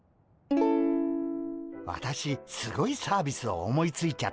私すごいサービスを思いついちゃったんです。